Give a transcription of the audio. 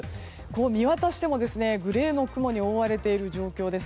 見渡してもグレーの雲に覆われている状況です。